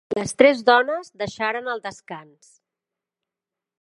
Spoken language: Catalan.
Les tres dones deixaren el descans.